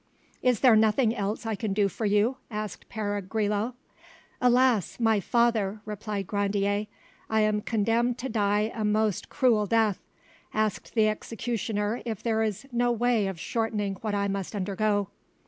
"Is there nothing else I can do for you?" asked Pere Grillau. "Alas, my father!" replied Grandier, "I am condemned to die a most cruel death; ask the executioner if there is no way of shortening what I must undergo."